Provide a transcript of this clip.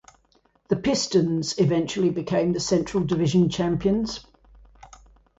The Pistons eventually became the Central Division champions.